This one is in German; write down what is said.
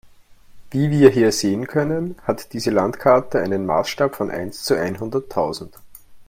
Wie wir hier sehen können, hat diese Landkarte einen Maßstab von eins zu einhunderttausend.